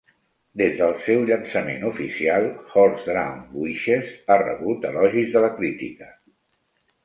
Des del seu llançament oficial, "Horsedrawn Wishes" ha rebut elogis de la crítica.